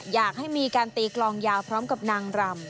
อยากให้มีการตีกลองยาวพร้อมกับนางรำ